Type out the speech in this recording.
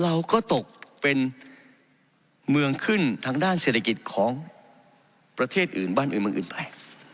เราก็ตกเป็นเมืองขึ้นทางด้านเศรษฐกิจของประเทศอื่นบ้านอื่นเมืองอื่นไป